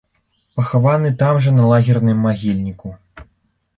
Пахаваны там жа на лагерным магільніку.